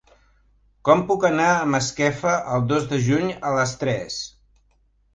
Com puc anar a Masquefa el dos de juny a les tres?